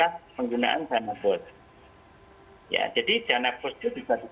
mas menteri kan langsung mengeluarkan kehidupan pers santosverandas di pos